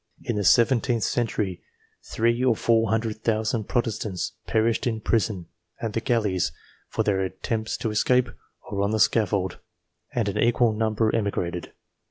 In the seventeenth century three or four hundred thousand Protestants perished in prison, at the galleys, in their attempts to escape, or on the scaffold, and an equal number emigrated.